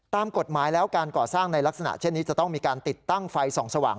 ตามกฎหมายแล้วการก่อสร้างในลักษณะเช่นนี้จะต้องมีการติดตั้งไฟส่องสว่าง